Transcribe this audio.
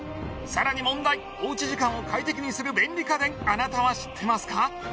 更に、問題おうち時間を快適にする便利家電あなたは知っていますか？